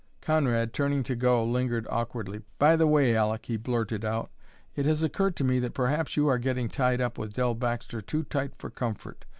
Conrad, turning to go, lingered awkwardly. "By the way, Aleck," he blurted out, "it has occurred to me that perhaps you are getting tied up with Dell Baxter too tight for comfort.